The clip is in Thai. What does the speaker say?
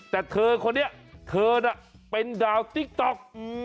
แต่เธอคนนี้เธอน่ะเป็นดาวติ๊กต๊อก